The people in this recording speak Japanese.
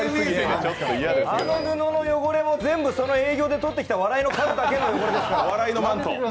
あの布の汚れも、全部営業でとってきた笑いの数だけの汚れですから。